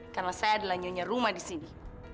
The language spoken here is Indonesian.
karena saya adalah nyonya rumah di sini